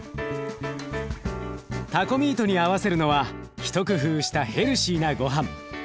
タコミートに合わせるのは一工夫したヘルシーなごはん。